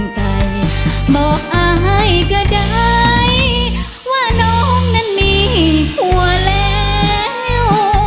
ใจบอกอายก็ได้ว่าน้องนั้นมีผัวแล้ว